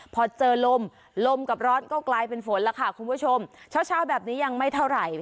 พอเจอลมลมกับร้อนก็กลายเป็นฝนแล้วค่ะคุณผู้ชมเช้าเช้าแบบนี้ยังไม่เท่าไหร่